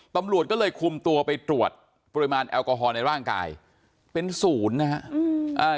ตำรวจก็เลยคุมตัวไปตรวจปริมาณแอลกอฮอลในร่างกายเป็นศูนย์นะฮะ